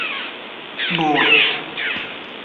Бур!